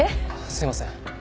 すいません。